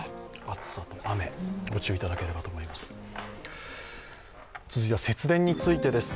暑さと雨、御注意いただければと思います。